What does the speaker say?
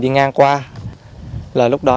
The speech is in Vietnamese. đi ngang qua là lúc đó